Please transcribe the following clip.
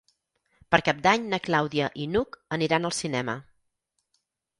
Per Cap d'Any na Clàudia i n'Hug aniran al cinema.